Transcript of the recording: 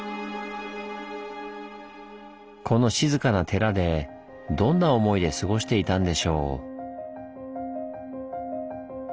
この静かな寺でどんな思いで過ごしていたんでしょう？